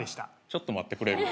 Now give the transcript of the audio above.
ちょっと待ってくれる？